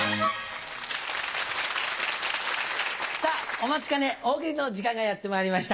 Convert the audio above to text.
お待ちかね大喜利の時間がやってまいりました。